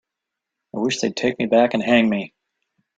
I wish they'd take me back and hang me.